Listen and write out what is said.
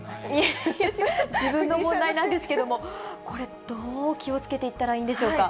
自分の問題なんですけれども、これ、どう気をつけていったらいいんでしょうか。